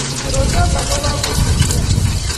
Ngecheranoto ko bo busalia